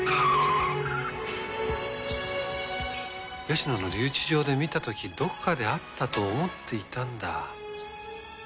吉野の留置場で見たときどこかで会ったと思っていたんだ。